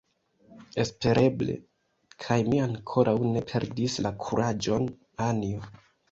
Espereble; kaj mi ankoraŭ ne perdis la kuraĝon, Anjo.